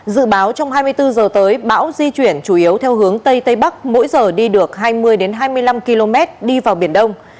dự báo trong hai mươi bốn h tới bão di chuyển chủ yếu theo hướng tây tây bắc mỗi giờ đi được hai mươi hai mươi năm km đi vào biển đông